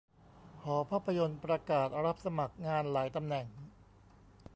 หอภาพยนตร์ประกาศรับสมัครงานหลายตำแหน่ง